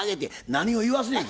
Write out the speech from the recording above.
何を言わすねん